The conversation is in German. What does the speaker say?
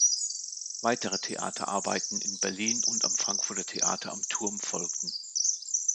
Weitere Theaterarbeiten in Berlin und am Frankfurter Theater am Turm folgten.